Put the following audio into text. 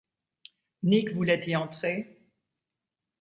Nic voulait y entrer…